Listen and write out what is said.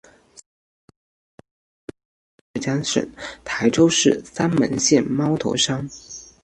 三门核电站位于中国浙江省台州市三门县猫头山。